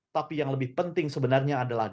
tapi yang lebih penting sebenarnya adalah